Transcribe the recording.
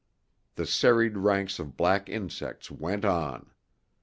The serried ranks of black insects went on.